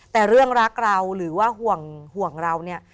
แต่เรื่องรักเราหรือว่าห่วงเราเนี่ย